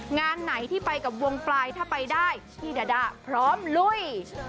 งานไหนที่ไปกับวงปลายถ้าไปได้พี่ดาด้าพร้อมลุย